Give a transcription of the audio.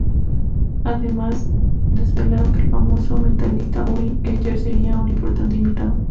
Además, desvelaron que el famoso mentalista Uri Geller sería un importante invitado.